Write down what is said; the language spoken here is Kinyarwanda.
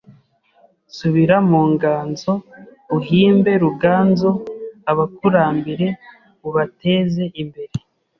Subira mu nganzo uhimbe Ruganzu Abakurambere ubateze imbere